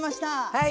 はい。